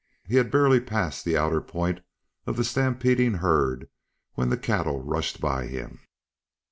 He had barely passed the outer point of the stampeding herd when the cattle rushed by him.